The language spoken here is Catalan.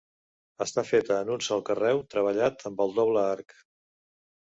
Està feta en un sol carreu treballat amb el doble arc.